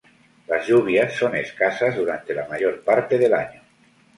Las lluvias son escasas durante la mayor parte del año.